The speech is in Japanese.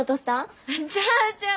ちゃうちゃう！